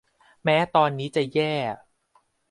แม้ตอนนี้จะแย่